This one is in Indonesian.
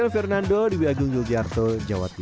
briden fernando di wiyagung yogyarto jawa timur